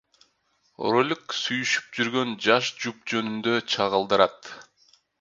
Ролик сүйүшүп жүргөн жаш жуп жөнүндө чагылдырат.